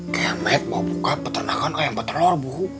kayak matt bawa buka peternakan kayak petelor bu